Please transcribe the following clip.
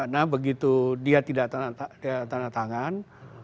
karena begitu dia tidak tanda tangan